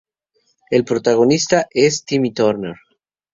El protagonista, es Timmy Turner.